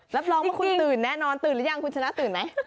รับรองว่าคุณตื่นแน่นอนตื่นหรือยังคุณชนะตื่นไหม